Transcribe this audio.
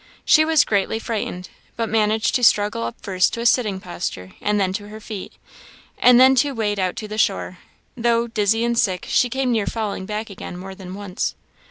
She was greatly frightened, but managed to struggle up first to a sitting posture, and then to her feet, and then to wade out to the shore; though, dizzy and sick, she came near falling back again more than once.